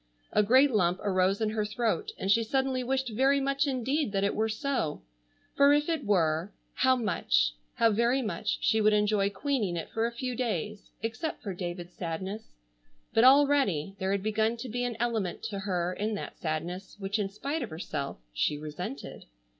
A great lump arose in her throat and she suddenly wished very much indeed that it were so. For if it were, how much, how very much she would enjoy queening it for a few days—except for David's sadness. But already, there had begun to be an element to her in that sadness which in spite of herself she resented.